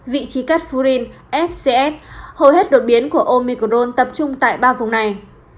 vị trí cắt furin fcs hầu hết đột biến của omicron tập trung tại ba vùng này